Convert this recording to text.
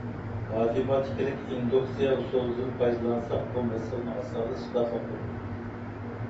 ماتېماتىكىلىق ئىندۇكسىيە ئۇسۇلىدىن پايدىلانساق، بۇ مەسىلىنى ئاسانلا ئىسپاتلىغىلى بولىدۇ.